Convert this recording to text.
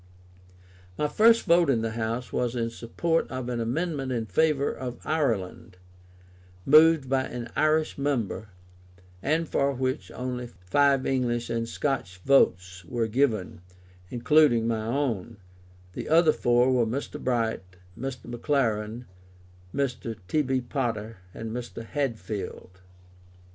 My first vote in the House was in support of an amendment in favour of Ireland, moved by an Irish member, and for which only five English and Scotch votes were given, including my own: the other four were Mr. Bright, Mr. McLaren, Mr. T.B. Potter, and Mr. Hadfield.